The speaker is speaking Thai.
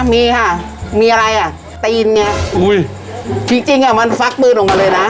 มีค่ะมีอะไรอ่ะตีนไงอุ้ยจริงจริงอ่ะมันฟักปืนออกมาเลยนะ